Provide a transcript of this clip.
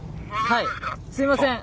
はいすいません！